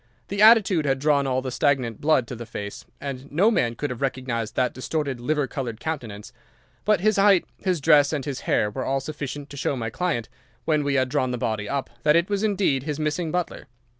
The attitude had drawn all the stagnant blood to the face, and no man could have recognised that distorted liver coloured countenance; but his height, his dress, and his hair were all sufficient to show my client, when we had drawn the body up, that it was indeed his missing butler.